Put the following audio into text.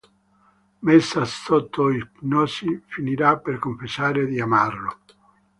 Messa sotto ipnosi, finirà per confessare di amarlo.